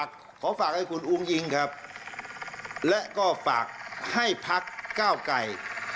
ขอฝากให้คุณอุ้งอิงครับและก็ฝากให้พักเก้าไกร